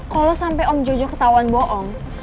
kalau sampai om jojo ketahuan bohong